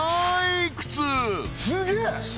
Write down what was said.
すげえ！